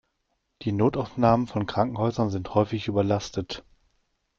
Die Notaufnahmen von Krankenhäusern sind häufig überlastet.